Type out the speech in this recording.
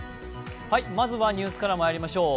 まずはニュースからまいりましょう。